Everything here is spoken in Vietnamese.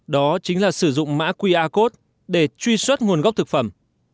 đó chính là sử dụng mã qr code để truy xuất nguồn gốc thực phẩm